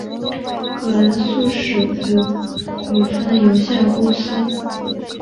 葛兰素史克股份有限公司。